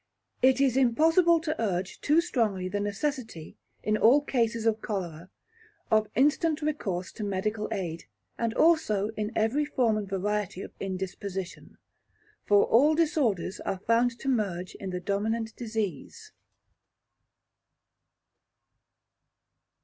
It is impossible to urge too strongly the necessity, in all cases of cholera, of instant recourse to medical aid, and also in every form and variety of indisposition; for all disorders are found to merge in the dominant disease.